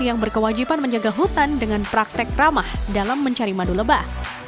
yang berkewajiban menjaga hutan dengan praktek ramah dalam mencari madu lebah